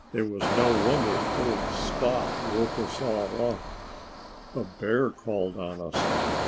It was no wonder old Spot woke us all up. A bear called on us!